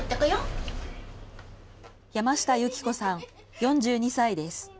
山下由紀子さん４２歳です。